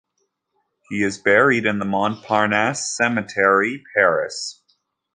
He is buried in the Montparnasse cemetery, Paris.